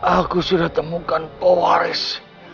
aku sudah temukan pewaris